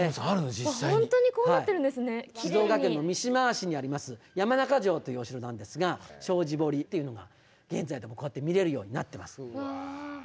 静岡県の三島市にあります山中城っていうお城なんですが障子堀っていうのが現在でもこうやって見れるようになってます。